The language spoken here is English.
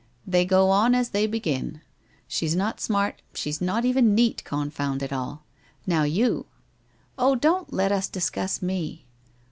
' They go on as they begin. She's not smart, she's not even neat, confound it all I Now you '' Oh, don't let us discuss me